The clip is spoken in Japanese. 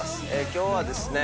今日はですね